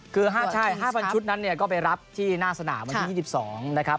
คือ๕๐๐ชุดนั้นเนี่ยก็ไปรับที่หน้าสนามวันที่๒๒นะครับ